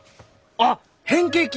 あっ変形菌！